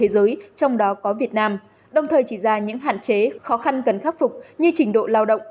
đối với chỉ ra những hạn chế khó khăn cần khắc phục như trình độ lao động